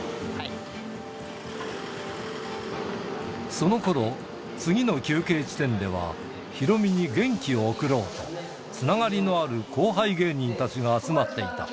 そのころ、次の休憩地点では、ヒロミに元気を送ろうと、つながりのある後輩芸人たちが集まっていた。